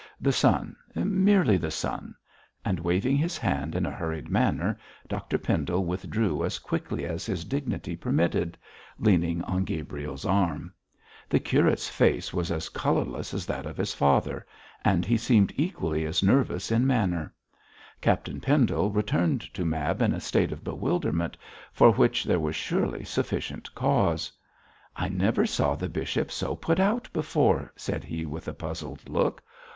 The sun, merely the sun;' and waving his hand in a hurried manner, Dr Pendle withdrew as quickly as his dignity permitted, leaning on Gabriel's arm. The curate's face was as colourless as that of his father, and he seemed equally as nervous in manner. Captain Pendle returned to Mab in a state of bewilderment, for which there was surely sufficient cause. 'I never saw the bishop so put out before,' said he with a puzzled look.